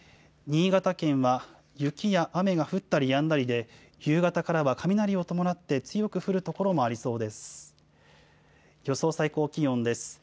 新潟県は雪や雨が降ったりやんだりで、夕方からは雷を伴って強く降る所もありそうです。